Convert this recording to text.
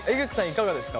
いかがですか？